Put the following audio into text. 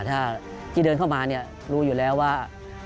ที่เดินเข้ามารู้อยู่แล้วว่า